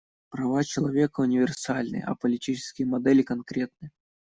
Права человека универсальны, а политические модели конкретны.